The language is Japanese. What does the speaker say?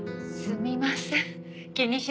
すみません。